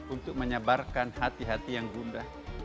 untuk menyabarkan hati hati yang gundah